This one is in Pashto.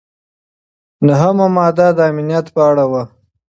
نهمه ماده د امنیت په اړه وه.